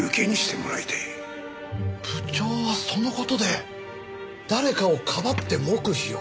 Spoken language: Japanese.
部長はその事で誰かをかばって黙秘を？